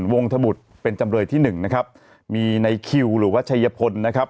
วงธบุตรเป็นจำเลยที่หนึ่งนะครับมีในคิวหรือว่าชัยพลนะครับ